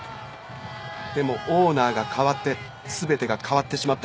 でもオーナーが代わって全てが変わってしまった。